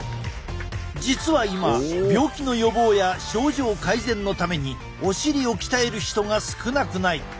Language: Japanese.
実は今病気の予防や症状改善のためにお尻を鍛える人が少なくない。